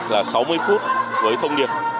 là sáu mươi phút với thông điệp